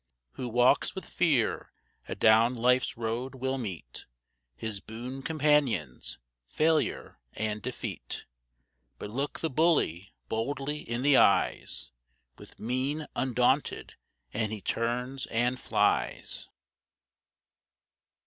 Who walks with Fear adown life's road will meet His boon companions, Failure and Defeat. But look the bully boldly in the eyes, With mien undaunted, and he turns and flies.